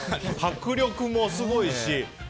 迫力もすごいし。